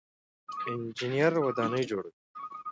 انجنیر ودانۍ جوړوي.